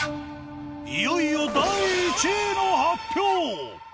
いよいよ第１位の発表！